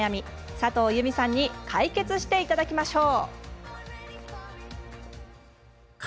佐藤友美さんに解決していただきましょう。